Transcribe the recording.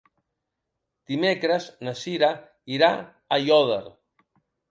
Dimecres na Sira irà a Aiòder.